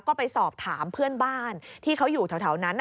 ก็ไปสอบถามเพื่อนบ้านที่เขาอยู่แถวนั้น